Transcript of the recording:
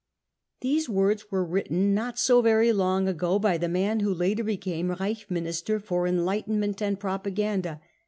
" These words were written not so very long ago by the man who later became Reich Minister for Enlightenment and Propaganda.